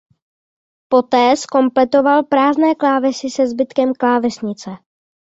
Poté zkompletoval prázdné klávesy se zbytkem klávesnice.